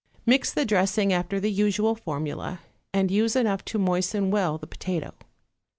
Mix the dressing after the usual formula, and use enough to moisten well the potato.